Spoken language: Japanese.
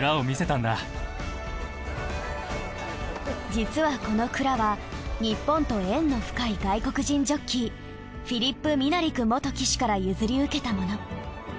実はこの鞍は日本と縁の深い外国人ジョッキーフィリップ・ミナリク元騎手から譲り受けたもの。